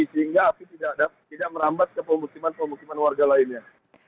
sehingga api tidak merambat ke pemukiman pemukiman warga lainnya